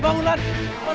ulan ulan bangun